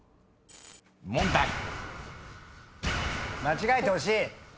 間違えてほしい。